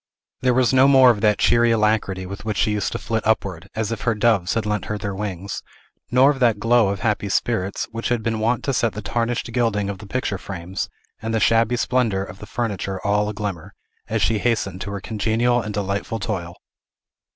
There was no more of that cheery alacrity with which she used to flit upward, as if her doves had lent her their wings, nor of that glow of happy spirits which had been wont to set the tarnished gilding of the picture frames and the shabby splendor of the furniture all a glimmer, as she hastened to her congenial and delightful toil.